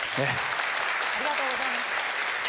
ありがとうございます。